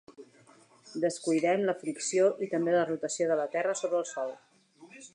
Descuidem la fricció i també la rotació de la terra sobre el sol.